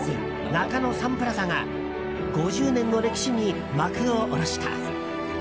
中野サンプラザが５０年の歴史に幕を下ろした。